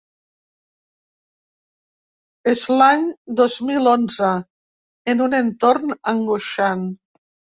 És l’any dos mil onze, en un entorn angoixant.